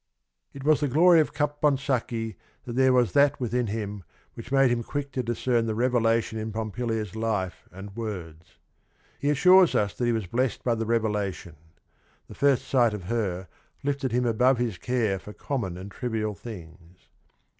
It was the glory of Caponsacchi that there was that within him which made him quick to dis cern the revelation in Pompilia's life and words. He assures us that he was blessed by the revela tion. The first sight of her lifted him above his care for common and trivial things.